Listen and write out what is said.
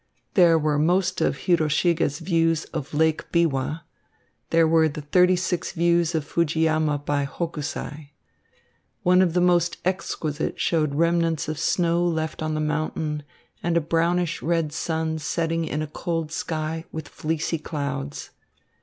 There were most of Hiroshige's views of Lake Biwa; there were the thirty six views of Fujiyama by Hokusai. One of the most exquisite showed remnants of snow left on the mountain and a brownish red sun setting in a cold sky with fleecy clouds.